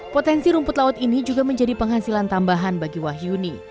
potensi rumput laut ini juga menjadi penghasilan tambahan bagi wahyuni